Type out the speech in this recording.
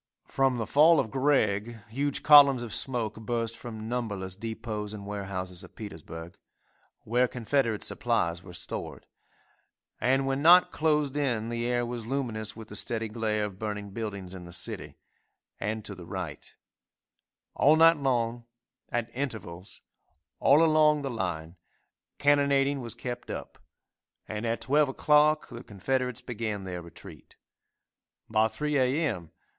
From the fall of Gregg, huge columns of smoke burst from numberless depots and warehouses of Petersburg, where Confederate supplies were stored, and when night closed in the air was luminous with the steady glare of burning buildings in the city, and to the right; all night long, at intervals, all along the line, cannonading was kept up, and at 12 o'clock the Confederates began their retreat. By 3 a. m.